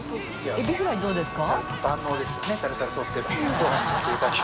エビフライどうですか？